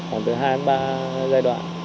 khoảng từ hai ba giai đoạn